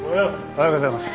おはようございます。